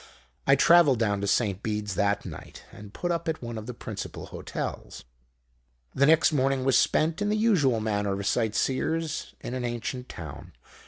I travelled down to St Beeds that night, and put up at one of the principal hotels. "The next morning was spent in the usual manner of sight seers in an ancient town.